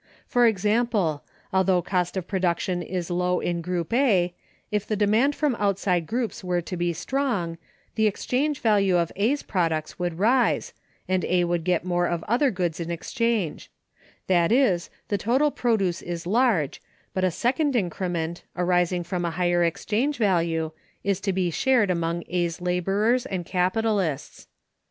For example, although cost of production is low in group A, if the demand from outside groups were to be strong, the exchange value of A's products would rise, and A would get more of other goods in exchange; that is, the total produce is large, but a second increment, arising from a higher exchange value, is to be shared among A's laborers and capitalists.